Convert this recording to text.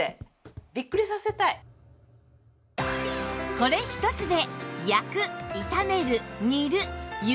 これ１つで